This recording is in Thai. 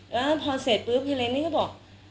แล้วพอเสร็จพลุฟเฮเลนด์นี้ก็ก็บอก